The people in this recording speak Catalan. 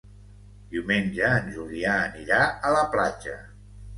Diumenge en Julià anirà a la platja.